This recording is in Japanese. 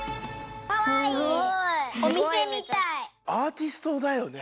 アーティストだよね。